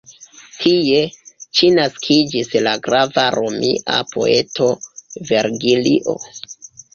Tie ĉi naskiĝis la grava romia poeto Vergilio.